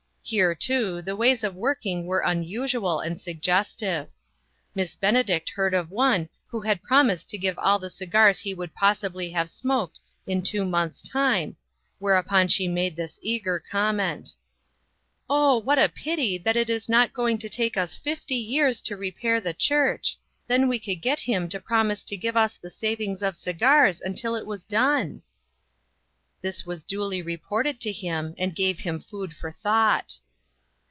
Here, too, the ways of working were unusual and suggestive. Miss Benedict heard of one who had promised to give all the cigars he would probably have smoked in two months' time, whereupon she made this eager comment: 1 88 INTERRUPTED. "Oh, what a pity that it is not going to take us fifty years to repair the church! then we would get him to promise to give us the savings of cigars until it was done !" This was duly reported to him, and gave him food for thought.